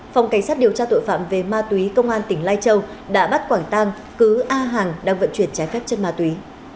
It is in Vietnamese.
phòng cảnh sát điều tra tội phạm về ma túy công an tỉnh lai châu đã bắt quảng tang cứ a hàng đang vận chuyển trái phép chất ma túy